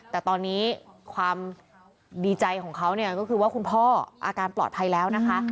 แต่ตอนนี้ความดีใจของเขาเนี่ยก็คือว่าคุณพ่ออาการปลอดภัยแล้วนะคะ